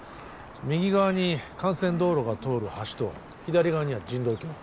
右側に幹線道路が通る橋と左側には人道橋